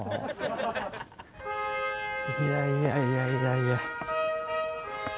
いやいやいやいやいや。